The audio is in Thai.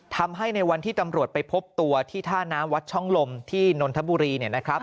ทำให้ในวันที่ตำรวจไปพบตัวที่ท่าน้าวัดช่องลมที่นลธบุรี